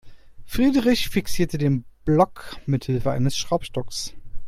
Friedrich fixierte den Block mithilfe des Schraubstocks.